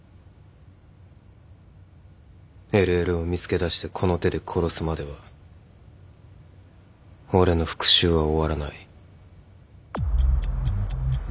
ＬＬを見つけだしてこの手で殺すまでは俺の復讐は終わらない。